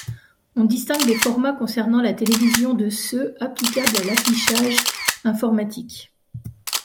On distingue les formats concernant la télévision de ceux applicables à l'affichage informatique.